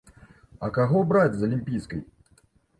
А каго браць з алімпійскай?